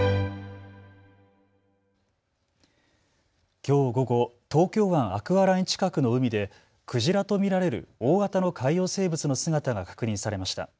きょう午後、東京湾アクアライン近くの海でクジラと見られる大型の海洋生物の姿が確認されました。